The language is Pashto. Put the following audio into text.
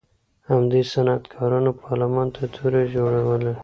همدې صنعتکارانو پارلمان ته تورې جوړولې.